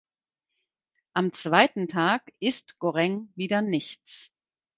Am zweiten Tag isst Goreng wieder nichts.